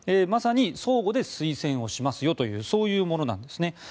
まさに相互で推薦をしますよというそういうものなんですね。